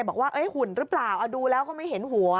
บอกว่าหุ่นหรือเปล่าดูแล้วก็ไม่เห็นหัว